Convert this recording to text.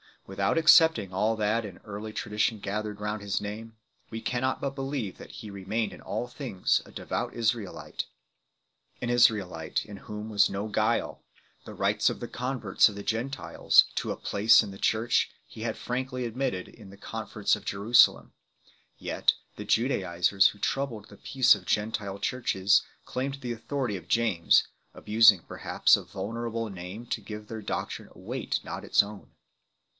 Without accepting all that in early tradition gathered round his name 2 , we cannot but believe that he remained in all things a devout Israelite, an Israelite in whom was no guile. The rights of the converts of the Gentiles to a place in the Church he had frankly admitted in the conference of Jerusalem ; yet the Judaisers who troubled the peace of Gentile Churches claimed the authority of James 3 , abusing perhaps a venerable name to give their doctrine a weight not its own.